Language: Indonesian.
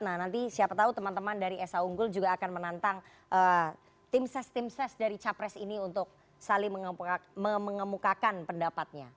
nah nanti siapa tahu teman teman dari esa unggul juga akan menantang tim ses tim ses dari capres ini untuk saling mengemukakan pendapatnya